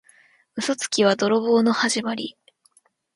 嘘つきは泥棒のはじまり。